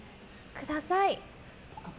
ください。